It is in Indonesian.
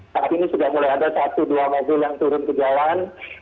saat ini sudah mulai ada satu dua mobil yang turun ke jalan